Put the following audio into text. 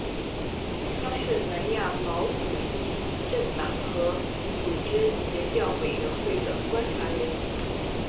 它是南亚毛主义政党和组织协调委员会的观察员。